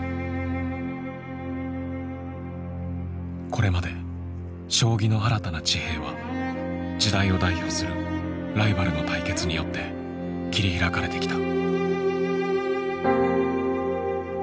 これまで将棋の新たな地平は時代を代表するライバルの対決によって切り開かれてきた。